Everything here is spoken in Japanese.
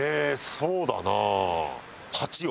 そうだな。